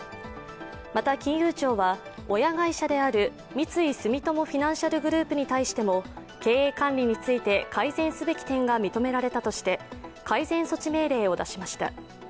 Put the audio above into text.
また金融庁は親会社である三井住友フィナンシャルグループに対しても経営管理について、改善すべき点が認められたとして改善措置命令を出しました。